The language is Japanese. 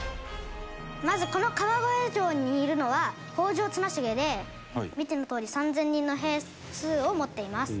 まずこの河越城にいるのは北条綱成で見てのとおり３０００人の兵数を持っています。